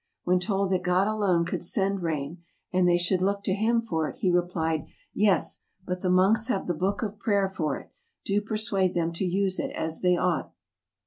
When told that God alone could send rain, and they should look to Him for it, he replied, 'Yes, but the monks have the book of prayer for it; do persuade them to use it as they ought.